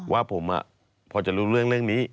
ว่าผมพอจะรู้เรื่องนี้